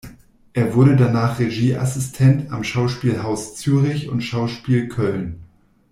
Er wurde danach Regieassistent am Schauspielhaus Zürich und Schauspiel Köln.